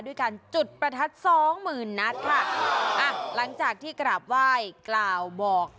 ด้วยการจุดประทัดสองหมื่นนัดค่ะอ่ะหลังจากที่กราบไหว้กล่าวบอก